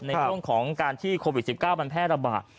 ในช่วงของการที่โควิด๑๙มันแพร่ระบาด